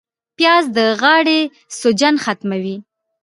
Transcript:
پیاز د غاړې سوجن ختموي